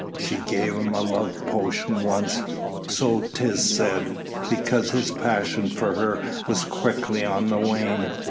She gave him a love potion once, so 'tis said, because his passion for her was quickly on the wane.